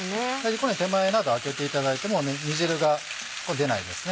このように手前など空けていただいても煮汁が出ないですね。